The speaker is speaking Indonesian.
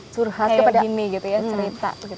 curhat kepada ini gitu ya cerita